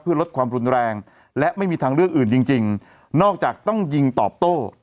เพื่อลดความรุนแรงและไม่มีทางเลือกอื่นจริงจริงนอกจากต้องยิงตอบโต้